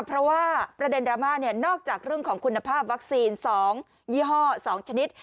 เพราะว่าประเด็นดราม่านอกจากเรื่องของคุณภาพวัคซีน๒ยี่ห้อ๒ชนิด